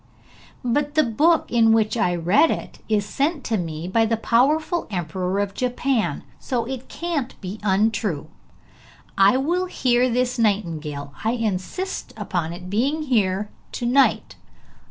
'But the book in which I read it is sent to me by the powerful Emperor of Japan, so it can't be untrue. I will hear this nightingale; I insist upon its being here to night.